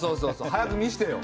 早く見せてよ。